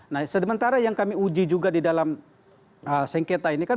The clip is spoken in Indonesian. nah sementara yang kami uji juga di dalam sengketa ini kan